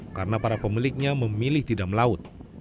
karena para pemiliknya memilih tidak melaut